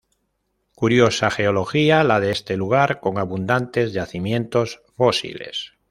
Curiosa geología la de este lugar con abundantes yacimientos fósiles.